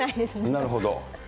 なるほど。